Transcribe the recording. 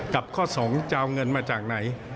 กับข้อ๒จะเอาเงินมาจากไหน